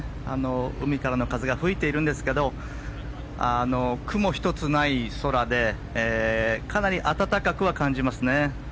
海からの風が吹いているんですが雲一つない空でかなり暖かくは感じますね。